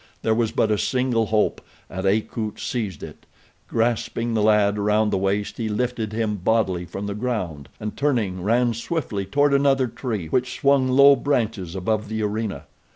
There was but a single hope and Akut seized it. Grasping the lad around the waist he lifted him bodily from the ground, and turning ran swiftly toward another tree which swung low branches above the arena.